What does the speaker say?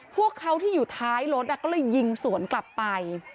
พวกเขาที่อยู่ท้ายรถก็เลยยิงสวนกลับไป